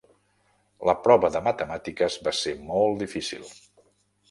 La prova de Matemàtiques va ser molt difícil